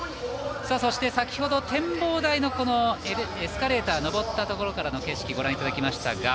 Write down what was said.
そして展望台エスカレーターで上ったところの景色をご覧いただきました。